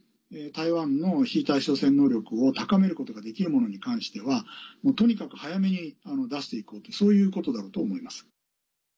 台湾の非対称戦能力を高めることができるものに関してはとにかく早めに出していこうとそういうことだろうと思います。